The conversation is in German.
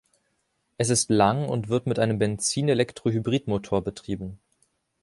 Es ist lang und wird mit einem Benzin-Elektro-Hybridmotor betrieben.